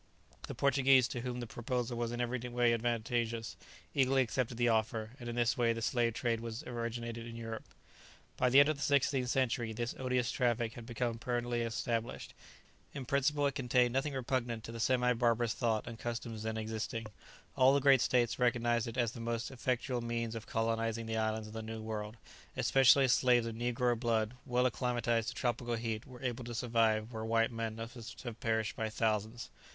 The Portuguese, to whom the proposal was in every way advantageous, eagerly accepted the offer; and in this way the slave trade was originated in Europe. By the end of the sixteenth century this odious traffic had become permanently established; in principle it contained nothing repugnant to the semi barbarous thought and customs then existing; all the great states recognized it as the most effectual means of colonizing the islands of the New World, especially as slaves of negro blood, well acclimatized to tropical heat, were able to survive where white men must have perished by thousands.